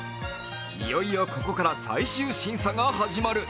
いよいよここから最終審査が始まる。